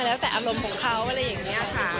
แล้วแต่อารมณ์ของเขาอะไรอย่างนี้ค่ะ